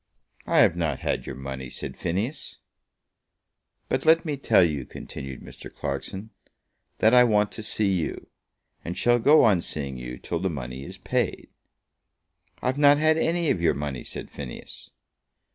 "I have not had your money," said Phineas. "But let me tell you," continued Mr. Clarkson, "that I want to see you; and shall go on seeing you till the money is paid." "I've not had any of your money," said Phineas.